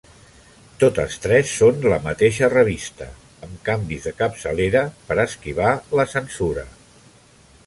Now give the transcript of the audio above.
Totes tres són la mateixa revista, amb canvis de capçalera per a esquivar la censura.